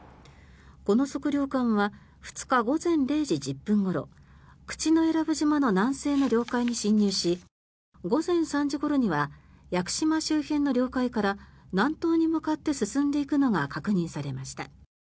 この測量艦は２日午前０時１０分ごろ口永良部島の南西の領海に侵入し午前３時ごろには屋久島周辺の領海から南東に向かって進んでいくのが確認されました。